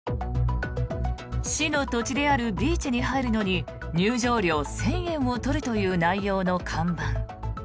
市の土地であるビーチに入るのに入場料１０００円を取るという内容の看板。